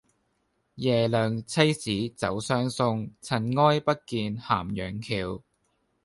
耶娘妻子走相送，塵埃不見咸陽橋。